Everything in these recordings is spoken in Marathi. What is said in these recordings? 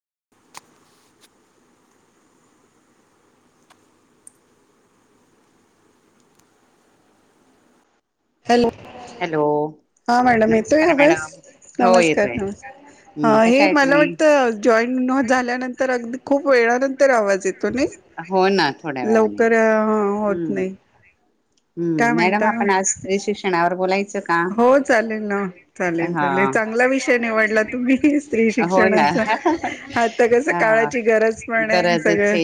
[unintelligible] हॅलो, हॅलो हा मॅडम येतोय नमस्कार आवाज,, मॅडम हो नमस्कार, येतोय नमस्कार अ हम्म कशा ऽहे आहे मला तुम्ही वाटतं जॉईन झाल्यानंतर,, अगदी खूप वेळानंतर आवाज येतो. त नाही,, हो ना थोड्या वेळाने लवकर होत नाही. काय हम्,, मॅडम म्हणता आपण आज स्त्री शिक्षणावर बोलायचऽऽ हो, चालेल ना,, चालेल, हा चालेल चांगला विषय निवडला तुम्ही हीहीही स्त्री हो ना शिक्षणाचा, आता कस हा काळाची गरज पण ये सगळं,,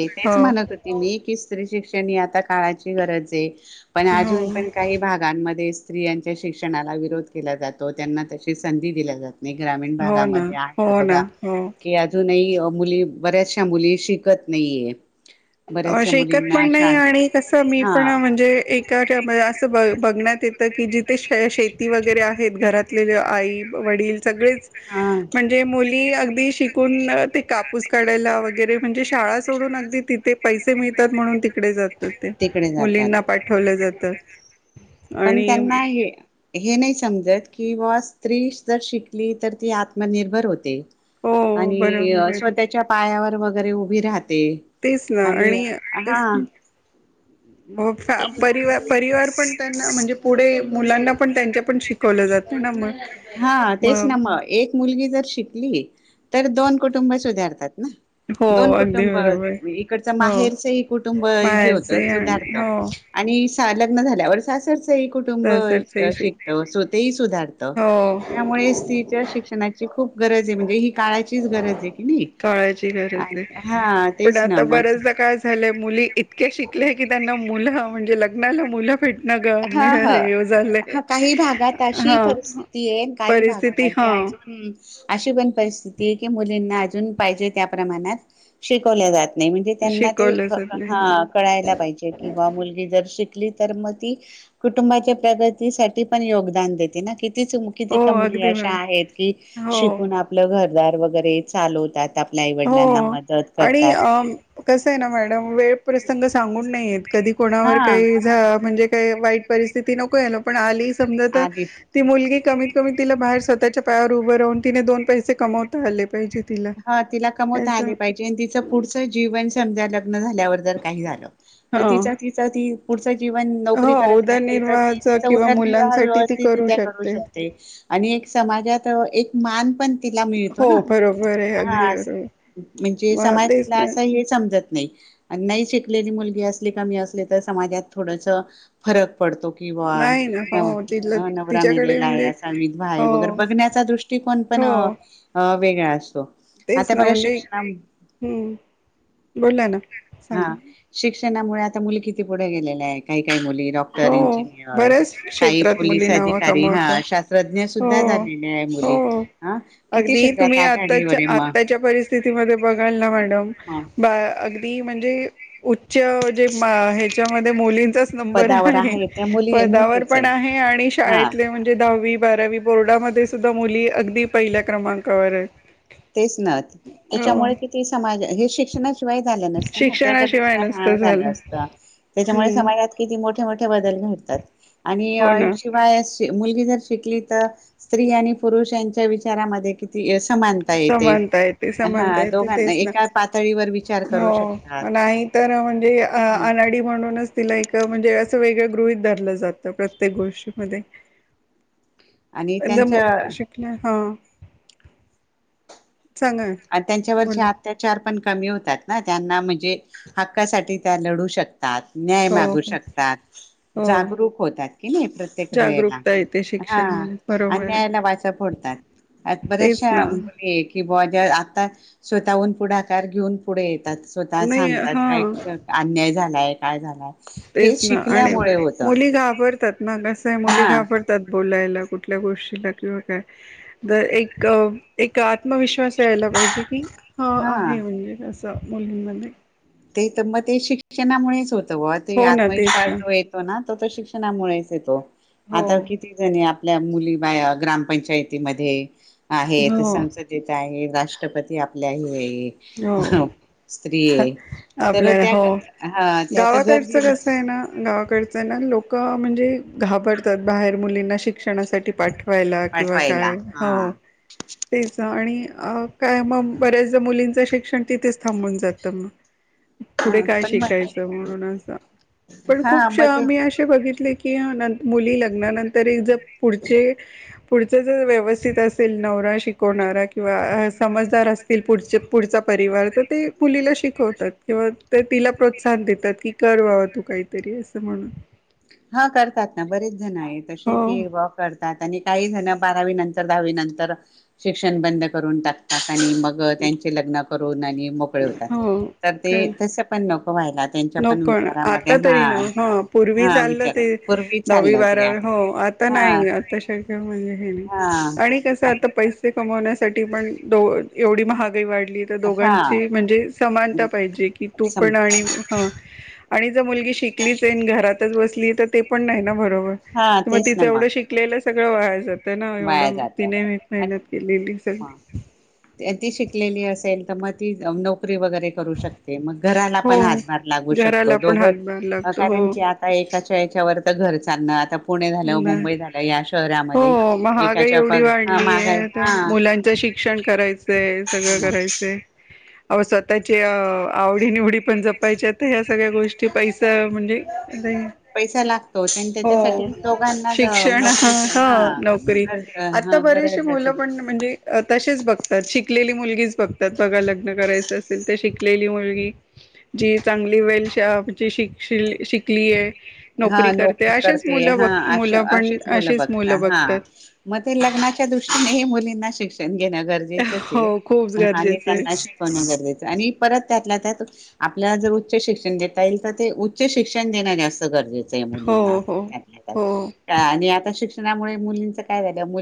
क हो. मी कि स्त्री शिक्षण ही आता काळाची गरज आय, पण हो अजून पण काही भागांमध्ये. स्त्रियांच्या शिक्षणाला विरोध केला जातो,, त्यांना तशी संधी दिल्या जात नाही,, ग्रामीण हो ना भागामध्ये आहेऽऽ हो, ना, हो नाही,, मुली, बऱ्याचशा मुली शिकत नाहीयेत अ शीकत पण नाही आणि कसं मी हा पण म्हणजे एका असं ब बघण्यातऽऽ की जिथे शेती वगैरे आहेत घरातले आई, वडील सगळेच,, हा म्हणजे मुलऽऽ अगदी शिकून ते कापूस काढायला,, वगैरे म्हणजे शाळा सोडून अगदीऽऽ ते पैसे मिळतात म्हणून तिकडे जातात ते,, तिकडे जातात मुलींना पाठवलं जातं ते ऽऽ पण त्यांना हेऽऽ हे नाही समजत की व स्त्री जर शिकली तर ती आत्मनिर्भर होते. हो आणि बरोबर अऽ आहे. स्वतःच्या पायावर वगैरे उभी राहते. च, ना आणि होय का,,, परि परिवार पण त्यांना म्हणजे पुढेऽऽ मुलांना पण त्यांच्या पण शिकवलं जाते ना मग. हा तेच ना मग एक मुलगी जर शिकली तर दोन कुटुंब सुधारतात.. ह हो दोन अगदी कुटुंब बरोबर इकडचं हो माहेरचं ह कुटुंब हे होतं बाहेरचे आणि सुधारत. हो आणि लग्न झाल्यावर सासरचं ह कुटुंब सहसरचे शिक शिकत तेही सुधारत. हो त्यामुळे स्त्रीच्या शिक्षणाची खूप गरज आहे म्हणजे ही. काळाचीच गरज आहे की नाही काळाची गरज आहे तेच ना मग. ते इतके शिकले की लग्नाला मुलं म्हणजे लग्नाला मुलं. भेटना हा हा हे झाला हा काही भागात आहे परिस्थिती. हा हम [inaudible] अशी पण परिस्थिती आहे की मुलींना अजून पाहिजे त्या प्रमाणात शिकवल्या जात. नाही म्हणजे त्यांना ते शिकवलं जात ह नाही कळायला पाहिजे किंवा मुलगी जर शिकली तर मग, कुटुंबाच्या प्रगतीसाठी पण योगदान देते. कितीच किती हो का मुली अगदी अशा बरो आहेत की हो शिकून आपलं घर. घर दार वगैरे चालवतात. आपल्या आईवडिलांना हो! मदत आणि करतात कसं आहे ना मॅडम वेळ. प्रसंग सांगून नाहीयेत कधी कोणावर हा काही झा म्हणजे काही वाईट पण परिस्थिती नको यायला पण आली समजा तर आधी ती मुलगी. कमीत कमी तिला बाहेर स्वतःच्या पायावर उभं राहून तिने दोन पैसे कमवता आले पाहिजेत. ह तिला कमवता आले पाहिजे आणि तिचं पुढचं जीवन समजायला. लग्न झाल्यावर जर काही झालं, तर हो तिचं तिचं ती पुढचं जीवन. हो नोकरी करत राहिली तर उदरनिर्वाहाच तिचा किंवा उदरनिर्वाह मुलांसाठी ती व्यवस्थित रित्या करू शकते आणि. समाजात एक मान पण तिला मिळतो हो ना. बरोबर आहे हा अगदी अस बरोबर म्हणजे मग समाज तेच तिला ना असं हे समजत. नाही शिकलेली मुलगी असली का मी असली तर समाजात थोडस फरक तो किं बा नाही ना हो तिला नवरा तिच्याकडे मलेला आहे म्हणजे असा विधवा हो आहे वगैरे बघण्याच्या दृष्टीकोन. पण हो वेगळा असतो तेच आता ना बघा म्हणजे शिक्षण. हम्म बोला ना सांगा. त्याच्यामुळे आता मुली किती पुढे गेले आहे काही काही मुली. डॉक्टर, हो इंजिनियर, बऱ्याच काही क्षेत्रात मुली पोलीस नाव अधिकारी हा कमवतात शास्त्रज्ञ सुधा हो झाला आहे. मुली हो किती अगदी क्षेत्रात. तुम्ही आघाडीवर आताच्या आहे मग आत्ताच्या परिस्थितीमध्ये बघाल ना मॅडम बा अगदी म्हणजे. जे मा ह्याच्यामध्ये मुलींचाच नंबर आहे. पदावर आहे त्या मुली पदावर मुलीच पण आहे आणि हा शाळेतले म्हणजे दहावी, बारावी बोर्डामध्ये सुद्धा मुली अगदी पहिल्या क्रमांकावर आहे. तेच नव्ह त्याच्यामुळे किती समाज हे शिक्षणाशिवाय झालं नसतं ना त्या [unintelligible] शिक्षणाशिवाय नसतं झालं त्याच्यामुळे हम्म समाजात. किती मोठी मोठे मोठ्या बदल घटतात आणि हो ना शिवाय. मुलगी जर शिकली तर स्त्री आणि पुरुष यांच्या विचारांमध्ये किती समानता येते समानता येते ह समानता येते दोघांना तेच ना एका पातळीवर विचार करू शकतात. खरं म्हणजे अनाडी म्हणूनच तिला म्हणजे वेगळ गृहित धरलं जात प्रत्येक गोष्टीमध्ये. आणि त्यांच्या ए शिकण हा. सांगा ना, आणि त्यांच्यावरचे बोला अत्याचार पण कमी होतात ना त्यांना म्हणजे हक्कासाठी लढू शकतात. न्याय हो मागू हो शकतात हो जागरूक होतात की नाही प्रत्येक वेळेला जागरूकता येते हा शिक्षण बरोबर आहे अन्यायाला वाचा फोडतात तेच ना बऱ्याचशा मुली कि ब आत्ता स्वतःहून पुढाकार घेऊन पुढे येतात. स्वतः नाही सांगतात हा काय अन्याय झालाय काय झाला. तेच ना आणि मुली घाबरतात ना कसंय हा मुली घाबरतात बोलायला कुठल्या गोष्टीला किंवा काय एक आत्मविश्वास - यायला पाहिजे की ह हा आहे म्हणजे कसं मुलींमध्ये. ते तर मग ते शिक्षणामुळेच होते. ते हो ना तेच आत्मविश्वास ना जो येतो ना तो शिक्षणामुळेच येतो हो. आता किती जणी आपल्या मुली बा ग्रामपंचायतीमध्ये आहेत हो संसदेत आहेत. राष्ट्रपती आपल्या हे स्त्रीय आपल्या हो तर गावाकडचं गरजेला कसं आहे ना गावाकडचं आहे ना लोक म्हणजे घाबरतात बाहेर मुलींना शिक्षणासाठी पाठव व्हायला किंवा पाठवायला काय हा. हो तेच आणि अ काय मग बऱ्याचदा मुलींचं शिक्षण तिथेच थांबून जातं मग हा पुढे काय पण मग शिकायचं म्हणून असं पण खूप हा मग ते मी असे बघितले की मुली लग्नानंतर एक जर पुढचे पुढचं जर व्यवस्थित असेल नवरा शिकवणारा किंवा समजदार असतील पुढचे पुढचा परिवार तर ते मुलीला शिकवतात किंवा ते तिला प्रोत्साहन देतात की कर व्हावं तु काम. काहीतरी र अस म्हणून हा करतात ना बरेच जण आहेत तसे हो की वा करतात. आणि काही जण बारावी नंतर, दहावी नंतर शिक्षण बंद करून टाकतात आणि मग त्यांचे लग्न करून आणि मोकळे होतात हो तर ते काय तस पण नको व्हायला. त्यांच्या पण नको विचारामध्ये हा हा चाल विचार ते पूर्वी दहा चाललं ते बारावी आता हो आता हा नाही आताशक म्हणजे हे नाही. हा आणि कस आता पैसे कमवण्यासाठी पण दो एवढी महागाई वाढ हा दोघांची म्हणजे समानता पाहिजे की तू सम पण आणि ह आणि जर मुलगी शिकलीच येन घरातच बसली तर ते पण नाही ना बरो हा मग तेच ना तिचं एवढं शिकलेलं सगळं व्हा जात वाया जात केलेली सगळी ह ती शिकलेली असेल, तर मग ती नोकरी वगैरे करू शकते. मग घराला पण हो हातभार लागू शकतो. घराला पण हातभार दोघंच लागतो कारण हो की आता एकाच याच्यावर तर घर चालणं आता पुणे झालं नाही मुंबई झालं या हो शहरामध्ये महागाई एकाच्या एवढी पण हा वाढलीय महागाय आता हा मुलांचं शिक्षण करायचंय सगळं करायचंय. ह अ स्वतःची आवडी निवडी पण जपायच्या तर ह्या सगळ्या गोष्टी पैसा म्हणजे पैसा लागतो हो त्याच्यासाठी? दोघांना शिक्षण ह नोकरीची हा नोकरी गरज आता हा बरीेचशी गरज मुलं असेल पण म्हणजे त [inaudible] शिकलेली मुलगी च बागतात बघा, लग्न करायचं असेल तर शिकलेली मुलगी जी चांगली वेल शली नोकरी करते अशच मु ब मग ते लग्नाच्या दृष्टीने मुलीं श णं गरजेचंच हो खूप आणि गरजेचं आहे. त्यांना शिकवण गरजेचं आणि परत त्यात त्यात आपल्याला जर उच्च शिक्षण देता येईल तर ते उच्च शिक्षण देणार जास्त कर मु हो हो हो आ श मु काय झा मु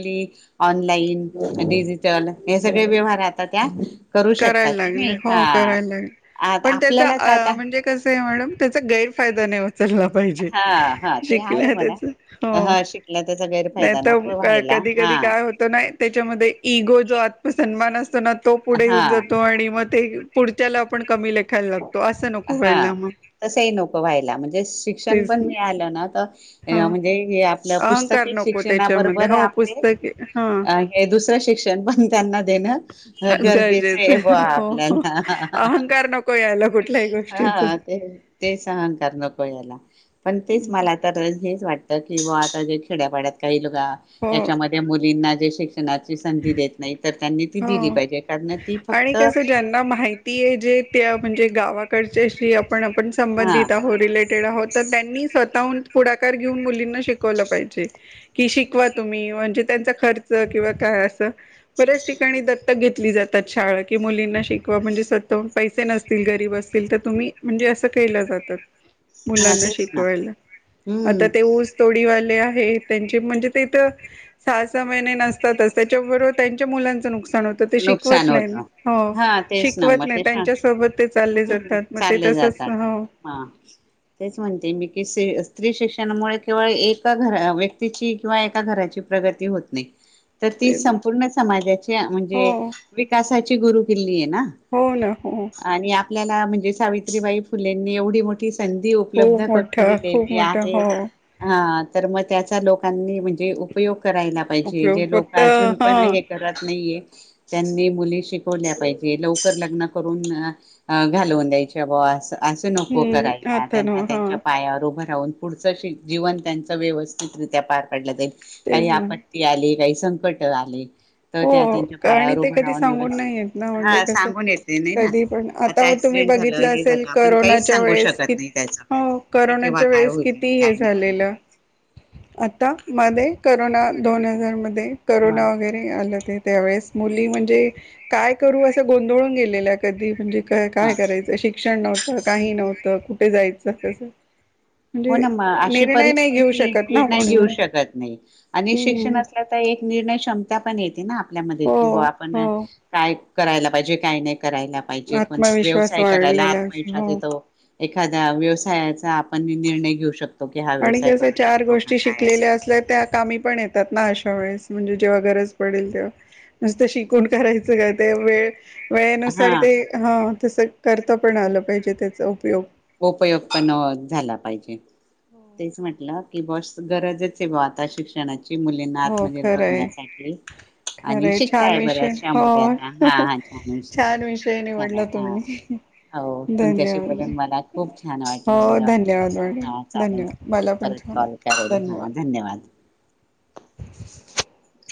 ऑलाईन डिजिटल हे सगळे व्यवार करू शकतात करायला क लागले नाही हा हो करायला लागले. आ पण त्याचा आपल्यालाच आता म्हणजे कस आहे मॅडम त्याचा गैरफायदा नाही होता ला पाहिजे हा हा श ते आहे म्हणा हो हा शिकला त्याचा नाही गैरफायदा तर नको का व्हायला कधी हा कधी काय होत नाही त्याच्यामध्ये इगो जो आत्सन्मान असतो ना तो पुढे हा येऊन जातो आणि मग ते पुढच्याला आपण कमी लेखायला लागतो असं नको व्हाळेला मग तसंही नको व्हायला म्हणजे शिक्षण तेच पण ना मिळालं ना तर हा म्हणजे पुस्तक अहंकार नको त्याच्यामध्ये शिक्षणाबरोबर हो आप पुस्तके हा हे दुसरं शिक्षण पण त्यांना गरजेचं आहे ब हो हो आपल्याला अहंकार नको यायला कुठल्याही गोष्टीच हा ते तेच अहंकार नको याला पण तेच मला तर हेच वाटतं की बा आता जे खेड्यापाड्यात काही लोक हो च्यामध्ये मुलीं ज श संधी देत नाही तर त्यांनी ती दिली हो पाहिजे कारण ती आणि फक्त कसं ज्यांना माहिती आहे जे त्या म्हणजे गावाकडच्याशी आपण आपण हा संबंधित आहो रिलेटेड आहोत तर त्यांनी स्वतः पु घेऊ मुं शव पाहिजे क शवा तुम्ही म्हणजे त्यां खर्च किव का बऱ्याच ठिकाणी दत्तक घेतली जातात शाळा क मुलींना शिक म्हणजे स्वतः पैसे नसतील गरीब असतील तर तुम्ही म्हणजे अस के जातात हा मुलांना तेच ना शिकवायला हम्म आता ते ऊस तोडीवाले हे त्यां म्हणजे तेथ सहा सहा महिने नसतातच त्याच्याबरोबर त्यांच्या मुलांच नुकसान नाही श नुकसान होत हा तेच ना मग ते शां त्यांच्याो हम्म जात चालले तसंच जातात हो हा तेच म्हणते मी किसे क शिक्षणामुळे केवळ एका घ व्यक्तीची किंवा एका घराची प्रगती होत नाही तर ती ते संपूर्ण समाजाची हो म्हणजे विकासाची गुरु केिल्ली आहे ना हो ना हो आणि आपल्याला म्हणजे सावित्रीबाई फुलेंनी एवढी मोठी ध उपलब्ध खूप करून मोठा खूप दिली मोठा आहे हो ह मग चा लोकांनी म्हणजे उपयोग करायला पाहिजे उपयोग जे लोक फक्त अजून हा पण हे करत नाहीये त्यांनी मुली शिकवल्या पाहिजे लवकर लग्न करून घालवून द्यायच्या असं असं नको हम्म करायला आता ना त्यांना हा त्यांच्या पायावर उभ जव त्यां ववितित्या पारड जाई तेच का ना आप का संकट आले तर हो त्या त्यांच्या पायावर ते उभं कधी राहून व्यवस्थित सांगून नाही ना म्हणजे हा कस सांगून येते नाही ना कधी पण आता तुम्ही ऍक्सिडेंट झालं बघितलं हे असेल झालं आपण काहीच करोनाच्या सांगू वेळेस क शकत नाही त्याच हो की केव्हा करोनाच्या काय वेळेस होईल आणि किती हे काय नाही झालेलं होणार आता मध्ये करोना दोन हजार मध्ये मग करोना वगैरे आलं ते त्यावेळेस मुली म्हणजे काय करू असं गोंधळून गेलेलं कधी म्हणजे काय मग करायचं शिक्षण नव्हतं काही नव्हतं कुठे जायचं कसं हो म्हणजे ना मग अशी निर्णय नाही घेऊ परिस्थिती शकत ना निर्णय कोणी घेऊ मण शकत नाही आणि हम्म शिक्षणल्या तर एक निर्णय क्षमता पण येते ना आपल्यामध्ये हो कि आपण हो काय करायला पाहिजे काही नाही करायला पाहिजे कोण आत्मविश्वास व्यवसाय करायला वाढलेला आत्मविश्वास हो तो एखादा्या व्यवसायाचा आपण निर्णय घेऊ शकतो की हा व्यवसाय आणिस करू चार शकतो का गोष्टी काय शिकलेल्या असं असल्या त्या कामी पण येत ना अशा वेळेस म्हणजे जेव्हा गरज पडेल तेव्हा नुसत शिकून करायचं का ते वेळ वेळेनुसार हा ते हा तसं करतं पण आलं पाहिजे त्याचा उपयोग. उपयोग पण झाला पाहिजे. हो तेच म्हटलं की बस गरजच आहे बा आता शिक्षणाची मुलींना हो आत्मनिर्भर खरंय होण्यासाठी. आणि खरंय छान शिकताय विषय बऱ्याचशा मुले हो आता हा हा छानष छान विषय ला निवडला हा. तुम्ही हो तुमच्याशी धन्यवाद बोलून मला खूप छान वाटलं हो बरं धन्यवाद वाटलं मॅडम ह चालेल धन्यवाद मला पण परत छान कॉल करेल धन्यवाद हा धन्यवाद. [inaudible]